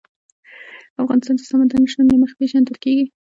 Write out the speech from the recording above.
افغانستان د سمندر نه شتون له مخې پېژندل کېږي.